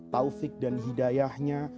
taufik dan hidayahnya